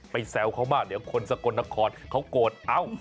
ไปแซวเขามาเดี๋ยวคนสโกลนาคอลเขากดเอา